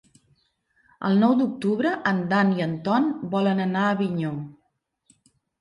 El nou d'octubre en Dan i en Ton volen anar a Avinyó.